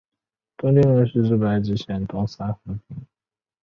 东荣町是日本爱知县东三河的町。